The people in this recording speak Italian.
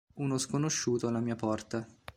Uno sconosciuto alla mia porta